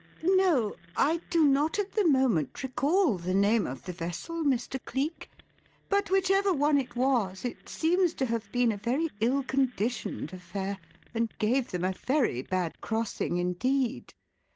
No, I do not at the moment recall the name of the vessel, Mr. Cleek, but whichever one it was it seems to have been a very ill conditioned affair and gave them a very bad crossing, indeed.